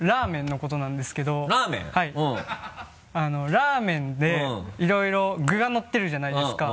ラーメンでいろいろ具がのってるじゃないですか。